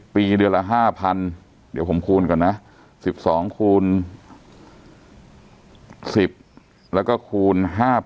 ปีเดือนละ๕๐๐เดี๋ยวผมคูณก่อนนะ๑๒คูณ๑๐แล้วก็คูณ๕๐๐